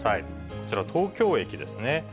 こちら、東京駅ですね。